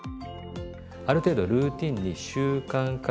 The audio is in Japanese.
ある程度ルーティンに習慣化して。